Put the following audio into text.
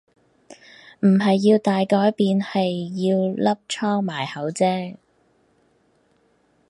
唔係要大改變係要粒瘡埋口啫